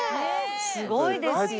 すごいですよ。